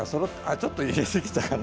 ちょっと入れすぎたかな？